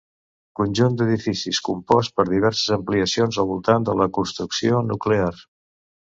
Conjunt d'edificis compost per diverses ampliacions al voltant de la construcció nuclear.